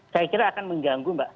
saya kira akan mengganggu mbak